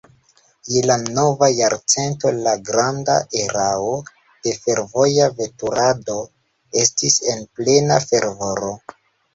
Je la nova jarcento, la granda erao de fervoja veturado estis en plena fervoro.